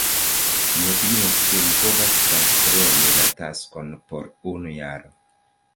Mi opiniis ke mi povas transpreni la taskon por unu jaro.